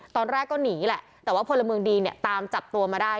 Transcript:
ตอนแรกก็หนีแหละแต่ว่าพลเมืองดีเนี่ยตามจับตัวมาได้